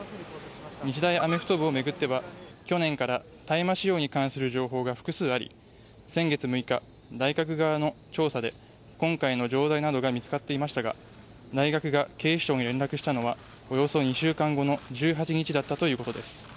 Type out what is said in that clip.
日大アメフト部を巡っては去年から大麻使用に関する情報が複数あり先月６日、大学側の調査で今回の錠剤などが見つかっていましたが大学が警視庁に連絡したのはおよそ２週間後の１８日だったということです。